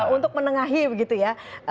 untuk menengahi begitu ya